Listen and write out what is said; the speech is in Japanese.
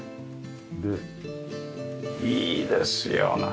でいいですよねえ。